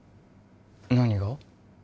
何が？